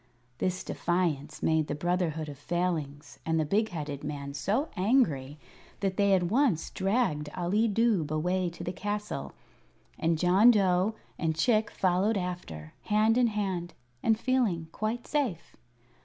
This defiance made the Brotherhood of Failings and the big headed man so angry that they at once dragged Ali Dubh away to the castle, and John Dough and Chick followed after, hand in hand, and feeling quite safe.